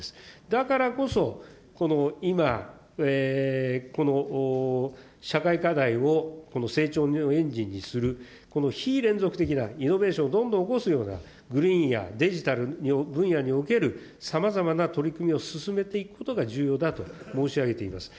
だからこそ、今、この社会課題を成長のエンジンにする、この非連続的なイノベーションをどんどん起こすような、グリーンやデジタルの分野における、さまざまな取り組みを進めていくことが重要だと申し上げています。